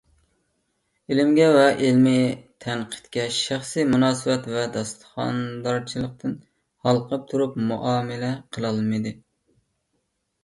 ئىلىمگە ۋە ئىلمىي تەنقىدكە شەخسىي مۇناسىۋەت ۋە داستىخاندارچىلىقتىن ھالقىپ تۇرۇپ مۇئامىلە قىلالمىدى.